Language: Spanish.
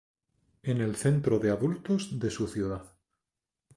En el Centro de Adultos de su ciudad.